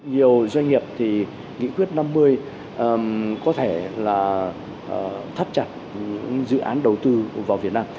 nhiều doanh nghiệp thì nghị quyết năm mươi có thể là thắt chặt dự án đầu tư vào việt nam